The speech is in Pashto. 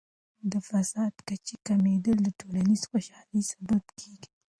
د فساد کچې کمیدل د ټولنیز خوشحالۍ سبب کیږي.